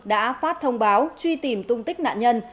đã phát thông báo truy tìm tung tích nạn nhân